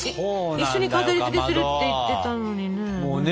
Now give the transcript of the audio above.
一緒に飾りつけするって言ってたのにね。